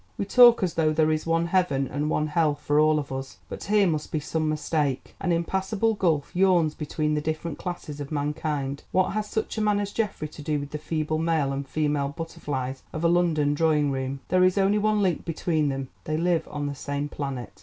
We talk as though there is one heaven and one hell for all of us, but here must be some mistake. An impassable gulf yawns between the different classes of mankind. What has such a man as Geoffrey to do with the feeble male and female butterflies of a London drawing room? There is only one link between them: they live on the same planet.